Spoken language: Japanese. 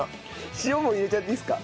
塩も入れちゃっていいですか？